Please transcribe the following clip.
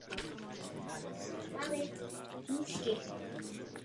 Zpravodaji blahopřeji.